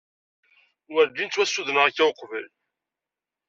Werǧin ttwassudneɣ akka uqbel.